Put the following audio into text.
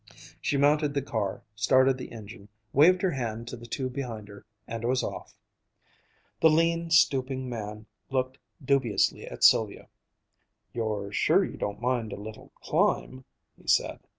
She mounted the car, started the engine, waved her hand to the two behind her, and was off. The lean, stooping man looked dubiously at Sylvia. "You're sure you don't mind a little climb?" he said.